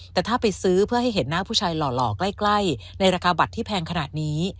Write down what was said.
แต่ถ้าไปซื้อเพื่อให้เห็นหน้าผู้ชายหล่อใกล้ในราคาบัตรที่แพงขนาดนี้